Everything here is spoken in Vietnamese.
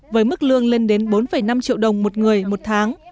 với mức lương lên đến bốn năm triệu đồng một người một tháng